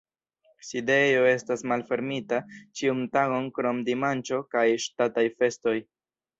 Sidejo estas malfermita ĉiun tagon krom dimanĉo kaj ŝtataj festoj.